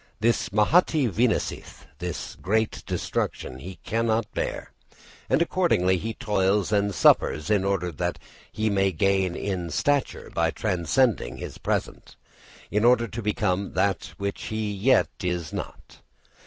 This mahatī vinashtih this great destruction he cannot bear, and accordingly he toils and suffers in order that he may gain in stature by transcending his present, in order to become that which he yet is not.